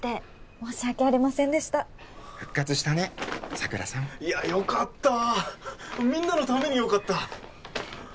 申し訳ありませんでした復活したね佐倉さんいやよかったみんなのためによかった